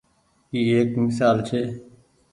اي ايڪ ميسال ڇي۔